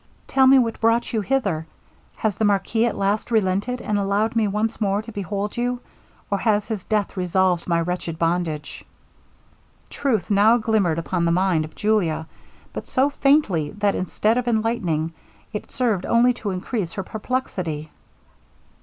Tell me what brought you hither. Has the marquis at last relented, and allowed me once more to behold you, or has his death dissolved my wretched bondage?' Truth now glimmered upon the mind of Julia, but so faintly, that instead of enlightening, it served only to increase her perplexity.